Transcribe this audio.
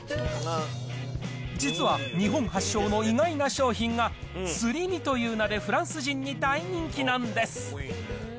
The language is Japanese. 実は日本発祥の意外な商品が、スリミという名でフランス人に大人気なんです。